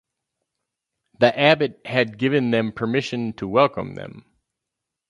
The Abbot had given them permission to welcome them.